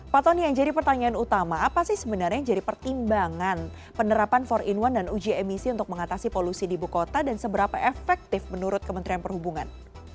pak tony yang jadi pertanyaan utama apa sih sebenarnya yang jadi pertimbangan penerapan empat in satu dan uji emisi untuk mengatasi polusi di buku kota dan seberapa efektif menurut kementerian perhubungan